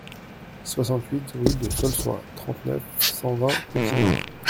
soixante-huit rue du Saulçois, trente-neuf, cent vingt, Petit-Noir